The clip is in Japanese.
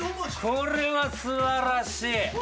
これは素晴らしい。